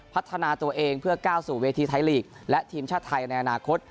พัฒนาตัวเองเพื่อก้าวสู่เวทีไทยลีกและทีมชาติไทยในอนาคต